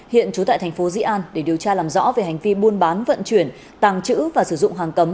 hiện trú tại thành phố dĩ an để điều tra làm rõ về hành vi buôn bán vận chuyển tàng trữ và sử dụng hàng cấm